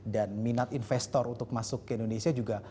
dan minat investor untuk masuk ke indonesia juga